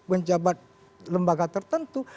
pejabat lembaga tertentu